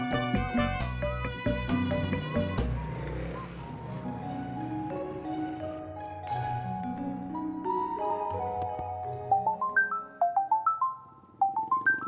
bagaimana kalaulah nanti jadi kita berdua berdua